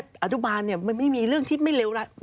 อัตุบาลมันไม่มีเรื่องที่ไม่เลวรัก